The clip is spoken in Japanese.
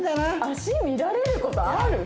「足見られる事ある？」。